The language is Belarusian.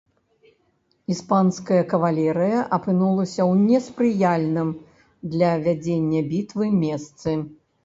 Іспанская кавалерыя апынулася ў неспрыяльным для вядзення бітвы месцы.